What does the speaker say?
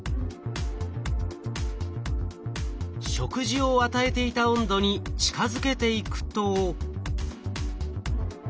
食事を与えていた温度に近づけていくと。